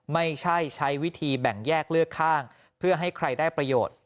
ไม่ใช่ใช้วิธีแบ่งแยกเลือกข้างเพื่อให้ใครได้ประโยชน์